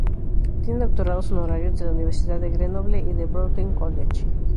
Tiene doctorados honorarios de la Universidad de Grenoble y de Bowdoin College.